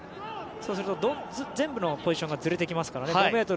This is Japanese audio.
そうすると、全部のポジションがずれてきますから。